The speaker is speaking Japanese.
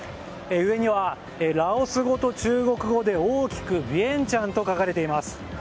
上には、ラオス語と中国語で大きくビエンチャンと書かれています。